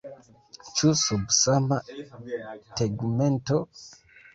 Ĉu sub sama tegmento?